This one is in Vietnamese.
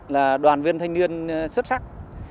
là đoàn viên thanh niên xuất sắc